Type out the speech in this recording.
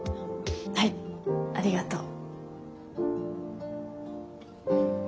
はいありがとう。